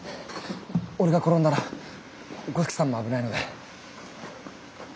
俺が転んだら五色さんも危ないので。